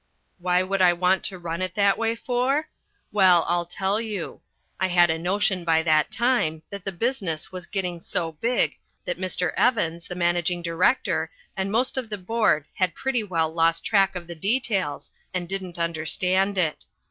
Why would I want to run it that way for? Well, I'll tell you. I had a notion by that time that the business was getting so big that Mr. Evans, the managing director, and most of the board had pretty well lost track of the details and didn't understand it.